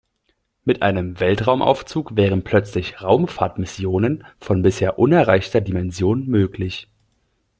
Mit einem Weltraumaufzug wären plötzlich Raumfahrtmissionen von bisher unerreichter Dimension möglich.